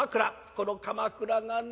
この『鎌倉』がね